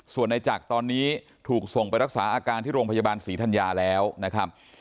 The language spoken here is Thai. ส่วนในจักรตอนนี้ถูกส่งไปรักษาอาการที่โรงพยาบาลศรีธัญญาแล้วนะครับ